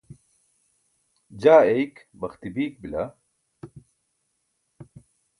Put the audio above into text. jaa eyik baxti biik bila